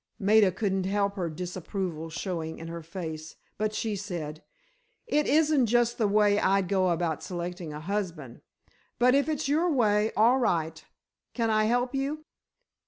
Maida couldn't help her disapproval showing in her face, but she said: "It isn't just the way I'd go about selecting a husband, but if it's your way, all right. Can I help you?"